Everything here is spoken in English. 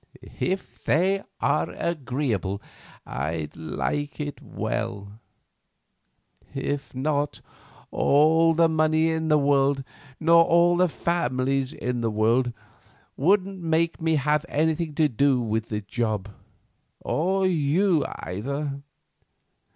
If they are agreeable I'd like it well; if not, all the money in the world, nor all the families in the world, wouldn't make me have anything to do with the job, or you either.